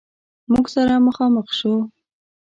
موږ سره مخامخ شو.